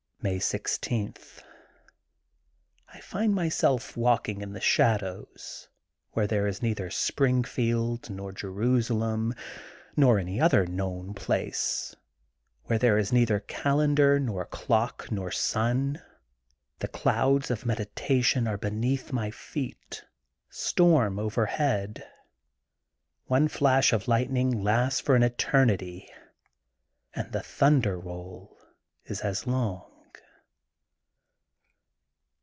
'* May 16: — ^I find myself walking in the shadows, where there is neither Springfield lior Jerusalem nor any other known place, .where there is neither calendar nor clock nor sun. The clouds of meditation are beneath my feet, storm overhead. One flash of light ning lasts for an eternity and the thujider roll is as long.